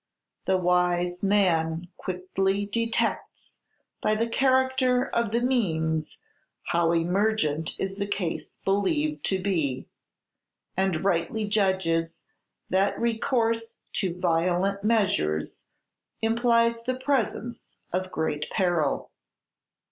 The wise man quickly detects by the character of the means how emergent is the case believed to be, and rightly judges that recourse to violent measures implies the presence of great peril.